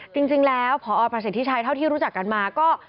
จริงแล้วพอประสิทธิชัยเท่าที่รู้จักกันมาก็